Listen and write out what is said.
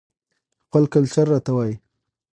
خپل کلچر راته وايى